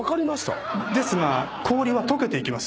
ですが氷は解けていきます。